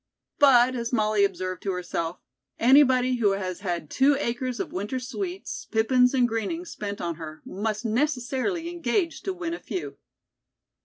"But," as Molly observed to herself, "anybody who has had two acres of winter sweets, pippins and greenings spent on her, must necessarily engage to win a few."